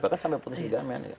bahkan sampai putus ligamen